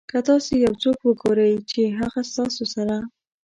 که تاسو یو څوک وګورئ چې هغه ستاسو سره.